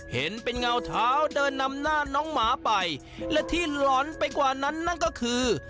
เห็นเป็นเงาเท้าเดินนำหน้าน้องหมาไปและที่หลอนไปกว่านั้นนั่นก็คือ